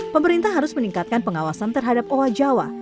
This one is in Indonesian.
pemerintah harus meningkatkan pengawasan terhadap owa jawa